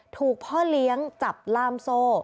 ถูกพ่อเลี้ยงจับล่ามโซ่